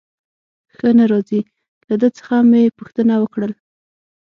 ښه نه راځي، له ده څخه مې پوښتنه وکړل.